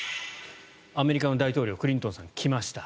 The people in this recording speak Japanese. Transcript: アメリカの大統領クリントンさん、来ました。